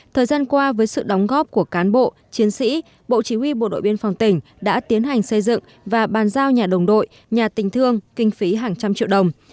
thời gian qua với sự đóng góp của cán bộ chiến sĩ bộ chỉ huy bộ đội biên phòng tỉnh đã tiến hành xây dựng và bàn giao nhà đồng đội nhà tình thương kinh phí hàng trăm triệu đồng